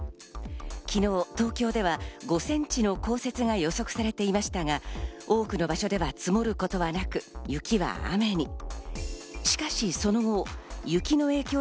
昨日、東京では５センチの降雪が予測されていましたが、多くの場所では積もることはなく、雪は雨に。